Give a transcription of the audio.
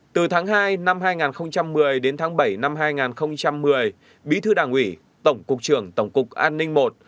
từ tháng hai năm hai nghìn một mươi đến tháng bảy năm hai nghìn một mươi bí thư đảng ủy tổng cục trưởng tổng cục an ninh i